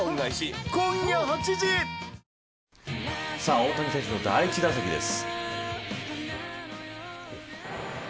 大谷選手の第１打席です。